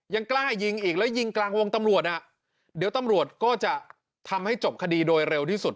ยังกล้ายิงอีกแล้วยิงกลางวงตำรวจอ่ะเดี๋ยวตำรวจก็จะทำให้จบคดีโดยเร็วที่สุด